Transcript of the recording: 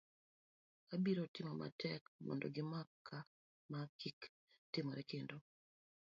abiro timo matek mondo gimakama kik timore kendo